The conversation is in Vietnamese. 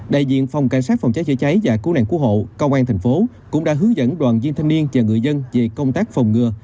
đại diện phòng cảnh sát phòng cháy chữa cháy và cứu nạn cứu hộ công an thành phố cũng đã hướng dẫn đoàn viên thanh niên và người dân về công tác phòng ngừa